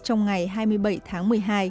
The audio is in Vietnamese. trong ngày hai mươi bảy tháng một mươi hai